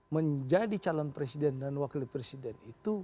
menjadi calon presiden dan wakil presiden itu